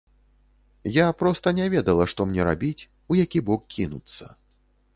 Я проста не ведала, што мне рабіць, у які бок кінуцца.